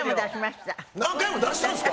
何回も出したんすか！